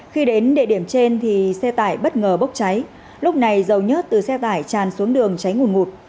khi đến địa điểm trên thì xe tải bất ngờ bốc cháy lúc này dầu nhớt từ xe tải tràn xuống đường cháy ngủn ngụt